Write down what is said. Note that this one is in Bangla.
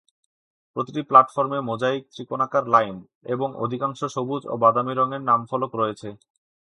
প্রতিটি প্ল্যাটফর্মে মোজাইক ত্রিকোণাকার লাইন এবং অধিকাংশ সবুজ ও বাদামি রঙের নামফলক রয়েছে।